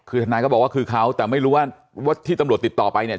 คือทนายก็บอกว่าคือเขาแต่ไม่รู้ว่าที่ตำรวจติดต่อไปเนี่ย